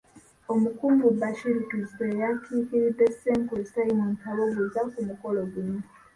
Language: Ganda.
Omukungu Bashir Kizito ye yakiikiridde Ssenkulu Simon Kaboggoza ku mukolo guno.